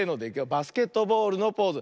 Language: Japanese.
バスケットボールのポーズ。